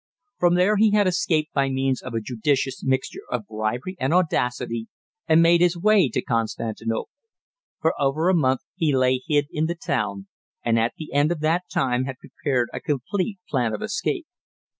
From there he had escaped by means of a judicious mixture of bribery and audacity and made his way to Constantinople. For over a month he lay hid in the town, and at the end of that time had prepared a complete plan of escape.